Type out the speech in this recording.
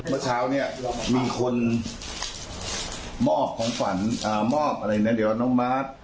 เมื่อเช้าเนี่ยมีคนมอบของขวัญมอบอะไรนะเดี๋ยวน้องมาร์ท